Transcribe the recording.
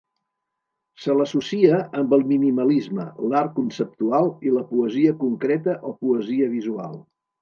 Se l'associa amb el Minimalisme, l'Art Conceptual i la poesia concreta o poesia visual.